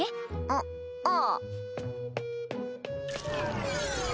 あっああ。